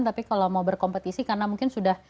tapi kalau mau berkompetisi karena mungkin sudah